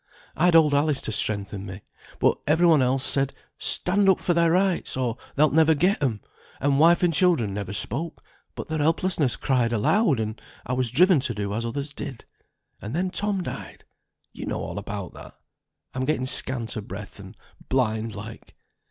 I'd old Alice to strengthen me; but every one else said, 'Stand up for thy rights, or thou'lt never get 'em;' and wife and children never spoke, but their helplessness cried aloud, and I was driven to do as others did, and then Tom died. You know all about that I'm getting scant o' breath, and blind like."